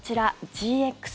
ＧＸ